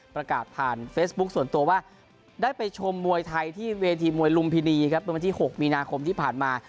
ประกาศผ่านเฟซบุ๊คส่วนตัวว่าได้ไปชมมวยไทยที่เวทีมวยลุมพินีครับเมื่อวันที่๖มีนาคมที่ผ่านมา